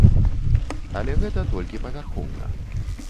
Але гэта толькі павярхоўна.